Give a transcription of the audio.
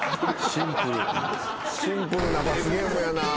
シンプルな罰ゲームやな。